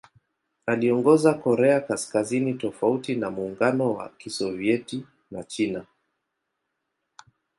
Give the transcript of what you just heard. Aliongoza Korea Kaskazini tofauti na Muungano wa Kisovyeti na China.